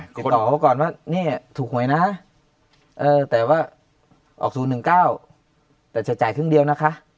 ติดต่อเขาก่อนว่าเนี่ยถูกหวยนะแต่ว่าออก๐๑๙แต่จะจ่ายครึ่งเดียวนะคะ